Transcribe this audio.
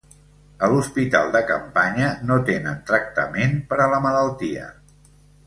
A l'hospital de campanya no tenen tractament per a la malaltia.